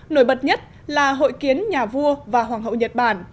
nổi bật nhất là hội kiến nhà vua và hoàng hậu nhật bản